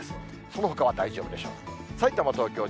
そのほかは大丈夫でしょう。